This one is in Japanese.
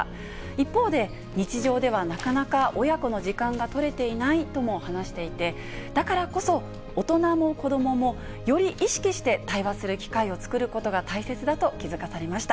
一方で、日常ではなかなか親子の時間がとれていないとも話していて、だからこそ、大人も子どももより意識して対話する機会を作ることが大切だと気付かされました。